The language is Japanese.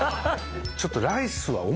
ちょっと。